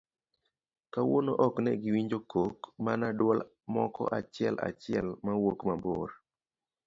kawuono ok negiwinjo kok mana duol moko achiel achiel mawuok mabor